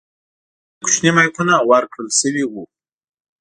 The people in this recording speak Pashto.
دوی ته کوچني مایکونه ورکړل شوي وو.